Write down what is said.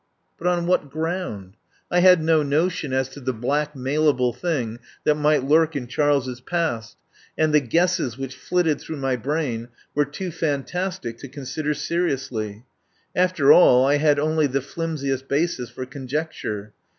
But on what ground? I had no notion as to the blackmailable thing that might lurk in Charles's past, and the guesses which flitted through my brain were too fantastic to con sider seriously. After all, I had only the flim siest basis for conjecture.